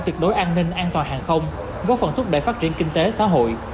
tuyệt đối an ninh an toàn hàng không góp phần thúc đẩy phát triển kinh tế xã hội